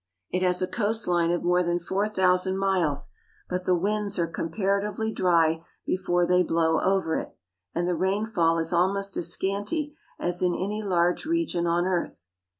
It has a coast line of more than four thousand miles, but the winds are compara tively dry before they blow over it, and the rainfall is almost as scanty as in any large region on earth.